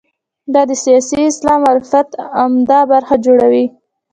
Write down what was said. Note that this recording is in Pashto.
دا د سیاسي اسلام معرفت عمده برخه جوړوي.